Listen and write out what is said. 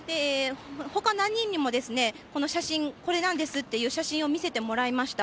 ほか何人にも、この写真、これなんですっていう写真を見せてもらいました。